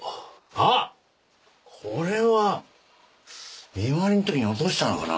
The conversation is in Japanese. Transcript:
あっこれは見回りの時に落としたのかな？